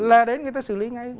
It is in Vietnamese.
là đến người ta xử lý ngay